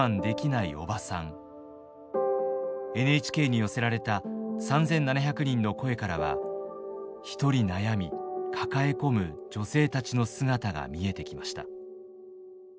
ＮＨＫに寄せられた３，７００人の声からはひとり悩み抱え込む女性たちの姿が見えてきました。